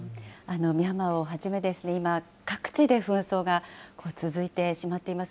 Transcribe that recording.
ミャンマーをはじめ、今、各地で紛争が続いてしまっています。